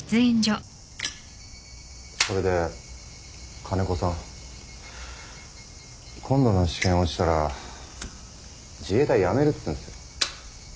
それで金子さん今度の試験落ちたら自衛隊辞めるっつうんすよ。